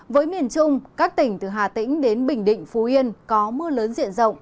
với miền trung các tỉnh từ hà tĩnh đến bình định phú yên có mưa lớn diện rộng